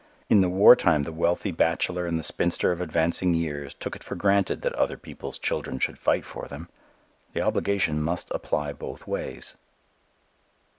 In the war time the wealthy bachelor and the spinster of advancing years took it for granted that other people's children should fight for them. The obligation must apply both ways.